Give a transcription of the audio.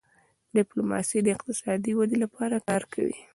ډيپلوماسي د اقتصادي ودې لپاره کار کوي.